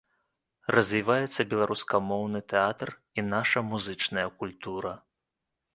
Развіваецца беларускамоўны тэатр і наша музычная культура.